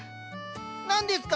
何ですか？